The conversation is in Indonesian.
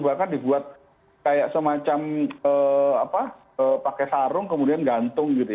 bahkan dibuat kayak semacam pakai sarung kemudian gantung gitu ya